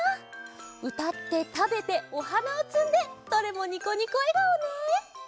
うたってたべておはなをつんでどれもニコニコえがおね！